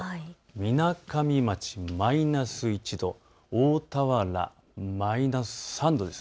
みなかみ町マイナス１度大田原マイナス３度です。